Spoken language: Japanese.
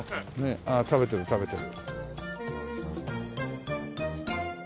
ああ食べてる食べてる。